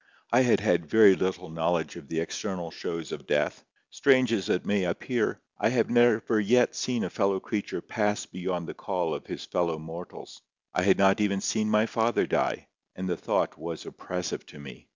I had had very little knowledge of the external shows of death. Strange as it may appear, I had never yet seen a fellow creature pass beyond the call of his fellow mortals. I had not even seen my father die. And the thought was oppressive to me.